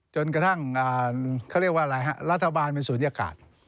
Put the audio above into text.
จนกระทั่งเขาเรียกว่าอะไรฮะรัฐบาลเป็นศูนยากาศ